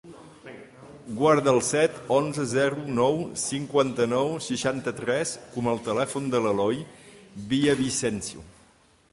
Guarda el set, onze, zero, nou, cinquanta-nou, seixanta-tres com a telèfon de l'Eloy Villavicencio.